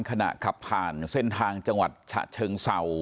ขณะขับผ่านเส้นทางจังหวัดฉะเชิงเศร้า